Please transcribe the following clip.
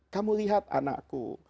kamu lihat anakku